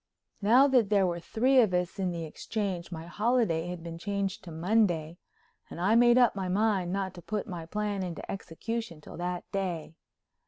Now that there were three of us in the Exchange my holiday had been changed to Monday, and I made up my mind not to put my plan into execution till that day.